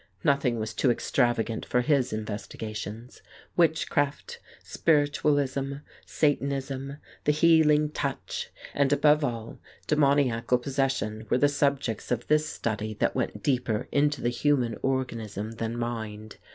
Nothing was too extravagant for his investi gations; witchcraft, spiritualism, Satanism, the heal ing touch, and, above all, demoniacal possession were the subjects of this study that went deeper into the human organism than mind.